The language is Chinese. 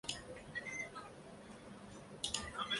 佐佐木本人得知后对事情十分迷惘。